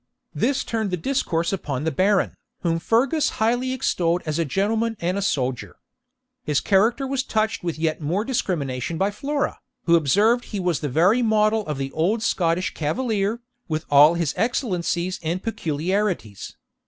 This turned the discourse upon the Baron, whom Fergus highly extolled as a gentleman and soldier. His character was touched with yet more discrimination by Flora, who observed he was the very model of the old Scottish cavalier, with all his excellencies and peculiarities.